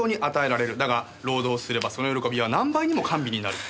だが労働すればその喜びは何倍にも甘美になる。